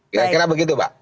kira kira begitu mbak